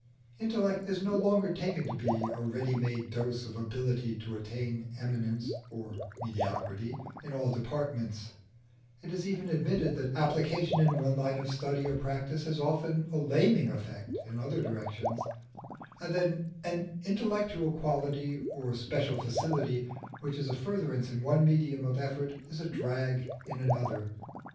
Intellect is no longer taken to be a ready made dose of ability to attain eminence (or mediocrity) in all departments; it is even admitted that application in one line of study or practice has often a laming effect in other directions, and that an intellectual quality or special facility which is a furtherance in one medium of effort is a drag in another.